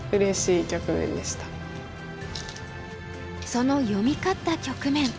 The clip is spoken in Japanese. その読み勝った局面。